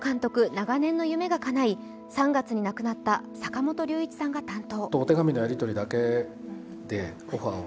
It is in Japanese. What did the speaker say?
長年の夢がかない、３月に亡くなった坂本龍一さんが担当。